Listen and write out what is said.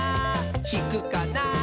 ひくかな？